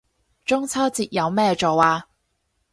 中秋節有咩做啊